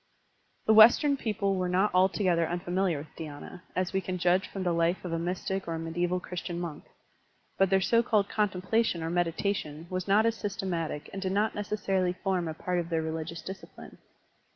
The Western people were not altogether unfa miliar with dhySna, as we can judge from the life of a mystic or a medieval Christian monk. But their so called contemplation or meditation was not as systematic and did not necessarily form a part of their religious discipline.